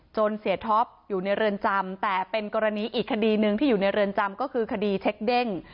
เสียท็อปอยู่ในเรือนจำแต่เป็นกรณีอีกคดีหนึ่งที่อยู่ในเรือนจำก็คือคดีเช็คเด้ง